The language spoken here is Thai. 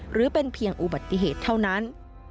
หรือเป็นเพียงอุบัติเหตุเท่านั้น